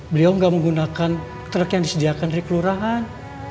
beliau nggak menggunakan truk yang disediakan reklurahan